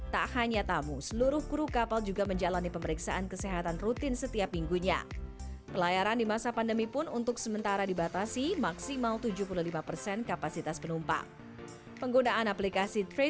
tak hanya tamu seluruh kapal pesiar ini juga bisa menikmati fasilitas yang ada tanpa tambahan biaya alias gratis